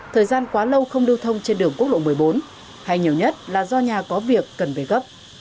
thời gian quá lâu không lưu thông trên đường quốc lộ một mươi bốn hay nhiều nhất là do nhà có việc cần về gấp